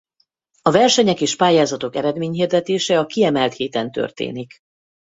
A versenyek és pályázatok eredményhirdetése a kiemelt héten történik.